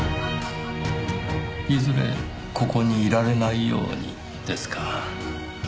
「いずれここにいられないように」ですか。